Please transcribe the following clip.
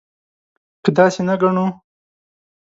که داسې نه ګڼو.